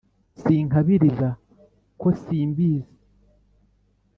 sinkabiriza ko simbizi